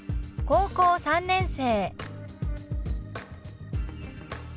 「高校３年生」。